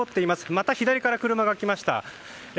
また左から車が来ました。